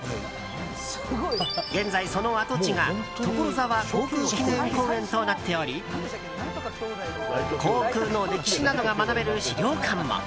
現在、その跡地が所沢航空記念公園となっており航空の歴史などが学べる資料館も。